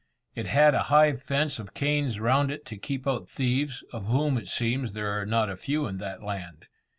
It had a high fence of canes round it to keep out thieves, of whom, it seems, there are not a few in that land.